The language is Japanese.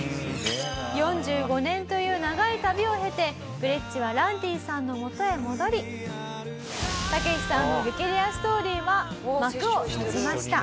「４５年という長い旅を経てグレッチはランディさんのもとへ戻りタケシさんの激レアストーリーは幕を閉じました」